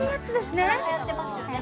今はやってますよね